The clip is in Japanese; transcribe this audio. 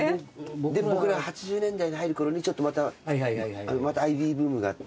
僕が８０年代に入るころにちょっとまたアイビーブームがあって。